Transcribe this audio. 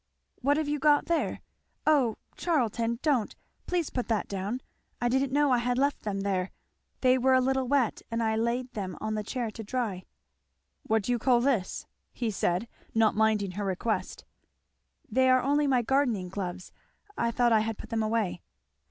"What have you got there? Oh, Charlton, don't! please put that down! I didn't know I had left them there. They were a little wet and I laid them on the chair to dry." "What do you call this?" said he, not minding her request. "They are only my gardening gloves I thought I had put them away."